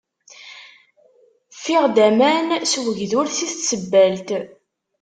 Ffiɣ-d aman s ugdur si tsebbalt.